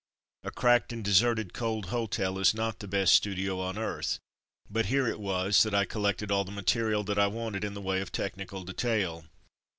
A cracked and deserted cold hotel is not the best studio on earth, but here it was that I collected all the material that I wanted in the way of technical detail.